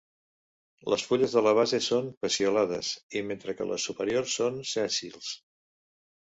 Les fulles de la base són peciolades i mentre que les superiors són sèssils.